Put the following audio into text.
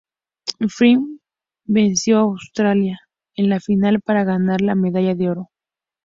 Fiyi venció a Australia en la final para ganar la medalla de oro.